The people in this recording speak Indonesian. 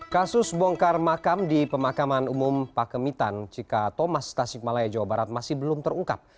kasus bongkar makam di pemakaman umum pakemitan cika thomas tasik malaya jawa barat masih belum terungkap